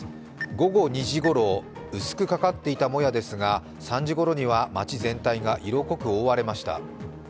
午後２時ごろ、薄くかかっていたもやですが３時ごろには町全体が色濃く覆われました。